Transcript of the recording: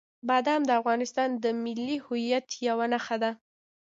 بادام د افغانستان د ملي هویت یوه نښه ده.